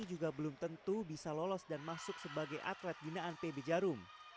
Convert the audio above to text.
juga belum tentu bisa lolos dan masuk sebagai atlet binaan pb jarum